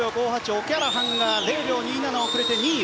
オキャラハンが０秒２７遅れて２位。